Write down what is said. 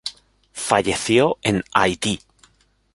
Falleció en Haití.